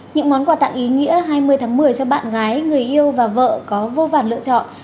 những món quà tặng ý nghĩa hai mươi tháng một mươi cho bạn gái người yêu và vợ có vô vàn lựa chọn